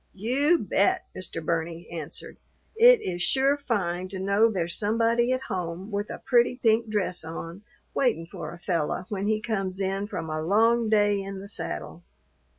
"You bet," Mr. Burney answered, "it is sure fine to know there's somebody at home with a pretty pink dress on, waitin' for a fellow when he comes in from a long day in the saddle."